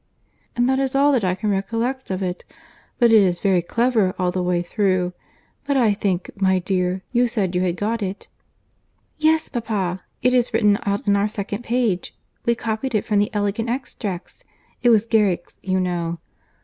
And that is all that I can recollect of it—but it is very clever all the way through. But I think, my dear, you said you had got it." "Yes, papa, it is written out in our second page. We copied it from the Elegant Extracts. It was Garrick's, you know."